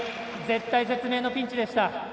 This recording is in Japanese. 絶体絶命のピンチでした。